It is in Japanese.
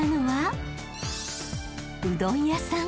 ［うどん屋さん］